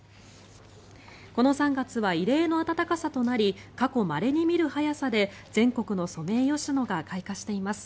この３月は異例の暖かさとなり過去まれに見る早さで全国のソメイヨシノが開花しています。